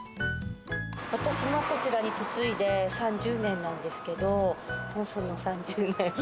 私がこちらに嫁いで３０年なんですけど、もうその３０年。